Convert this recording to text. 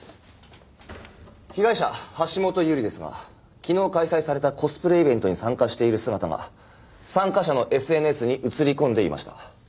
被害者橋本優里ですが昨日開催されたコスプレイベントに参加している姿が参加者のＳＮＳに写り込んでいました。